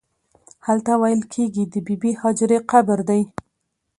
هلته ویل کېږي د بې بي هاجرې قبر دی.